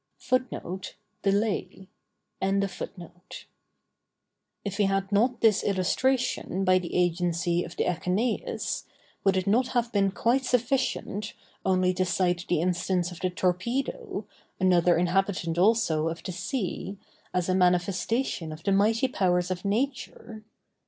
If we had not this illustration by the agency of the echeneïs, would it not have been quite sufficient only to cite the instance of the torpedo, another inhabitant also of the sea, as a manifestation of the mighty powers of Nature?